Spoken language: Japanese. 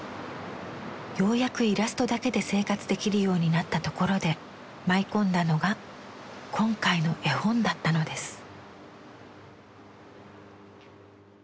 ようやくイラストだけで生活できるようになったところで舞い込んだのが今回の絵本だったのです。